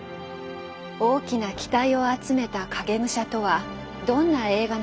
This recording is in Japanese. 大きな期待を集めた「影武者」とはどんな映画なのか？